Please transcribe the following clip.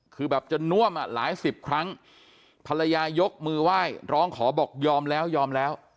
คือแบบจนน่วมอ่ะหลายสิบครั้งภรรยายกมือไหว้ร้องขอบอกยอมแล้วยอมแล้ว